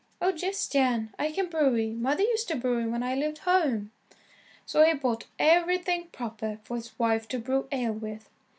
"Oh, yes, Jan, I can brew y. Mother used to brew y when I lived home." So he bought everything proper for his wife to brew ale with.